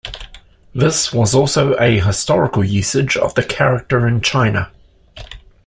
This was also a historical usage of the character in China.